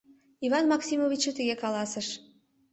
Иван Максимовичше тыге каласыш: